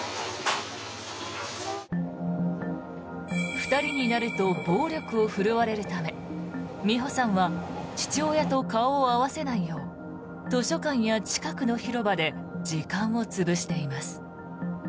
２人になると暴力を振るわれるためみほさんは父親と顔を合わせないよう図書館や近くの広場で時間を潰しています。